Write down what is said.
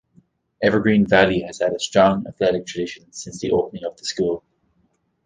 Evergreen Valley has had a strong athletic tradition since the opening of the school.